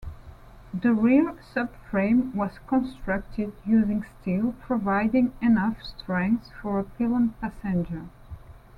The rear subframe was constructed using steel, providing enough strength for a pillion passenger.